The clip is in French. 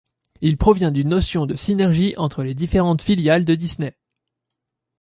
Il provient d'une notion de synergie entre les différentes filiales de Disney.